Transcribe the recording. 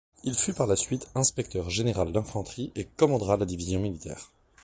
Il fut par la suite inspecteur général d'infanterie et commandera la Division Militaire.